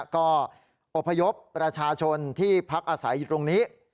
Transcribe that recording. ก็อบพยพประชาชนที่พักอาศัยอยู่ตรงนี้